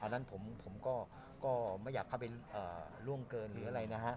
นั้นผมก็ไม่อยากเข้าไปล่วงเกินหรืออะไรนะฮะ